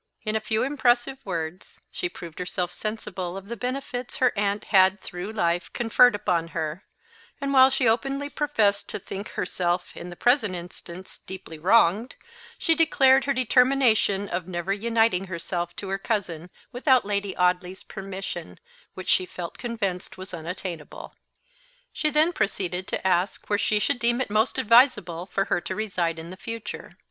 In a few impressive words she proved herself sensible of the benefits her aunt had through life conferred upon her; and, while she openly professed to think herself, in the present instance, deeply wronged, she declared her determination of never uniting herself to her cousin without Lady Audley's permission, which she felt convinced was unattainable. She then proceeded to ask where she should deem it most advisable for her to reside in future.